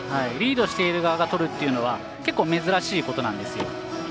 リードしている側がとるというのは結構、珍しいことなんですよ。